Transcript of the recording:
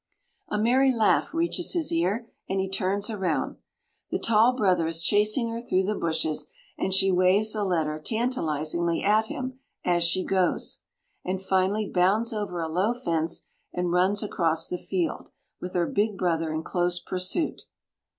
A merry laugh reaches his ear, and he turns around. The tall brother is chasing her through the bushes, and she waves a letter tantalisingly at him as she goes, and finally bounds over a low fence and runs across the field, with her big brother in close pursuit.